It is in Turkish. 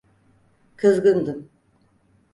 Kızgındım.